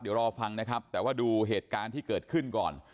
เดี๋ยวรอฟังนะครับแต่ว่าดูเหตุการณ์ที่เกิดขึ้นก่อน